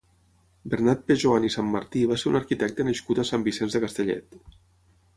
Bernat Pejoan i Sanmartí va ser un arquitecte nascut a Sant Vicenç de Castellet.